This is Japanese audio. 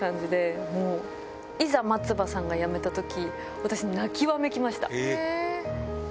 いざ、松葉さんが辞めたとき、私、泣きわめきました。